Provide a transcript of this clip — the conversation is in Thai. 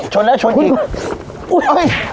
ชนแล้วชนอีก